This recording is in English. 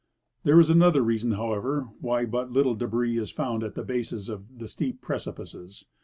There is another reason, however, why but little debris is found at the bases of the steep precipices.